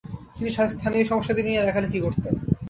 তিনি স্থানীয় সমস্যাদি নিয়ে লেখালেখি করতেন।